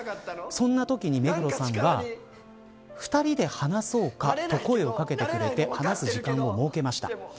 そんなときに目黒さんは２人で話そうかと声を掛けてくれて話す時間を設けました。